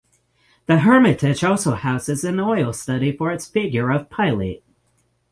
The Hermitage also houses an oil study for its figure of Pilate.